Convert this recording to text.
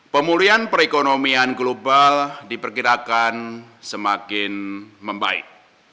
pemulihan perekonomian global diperkirakan semakin membaik